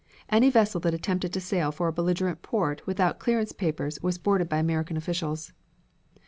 Any vessel that attempted to sail for a belligerent port without clearance papers was boarded by American officials.